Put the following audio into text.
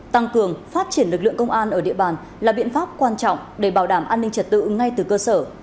tăng cường phát triển lực lượng công an ở địa bàn là biện pháp quan trọng để bảo đảm an ninh trật tự ngay từ cơ sở